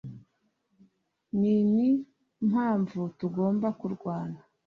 Ninimpamvu tugomba kurwana